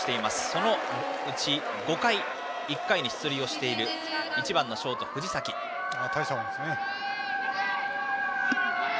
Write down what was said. そのうち５回、１回に出塁をしている１番のショート、藤崎がバッターボックス。